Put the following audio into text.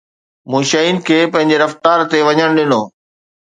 مون شين کي پنهنجي رفتار تي وڃڻ ڏنو